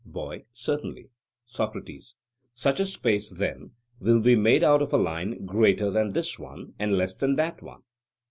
BOY: Certainly. SOCRATES: Such a space, then, will be made out of a line greater than this one, and less than that one?